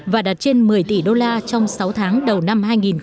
và đạt trên một mươi tỷ đô la trong sáu tháng đầu năm hai nghìn một mươi chín